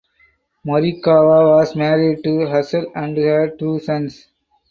Morikawa was married to Hazel and had two sons.